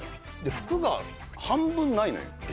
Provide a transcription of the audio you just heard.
服が半分ないのよ。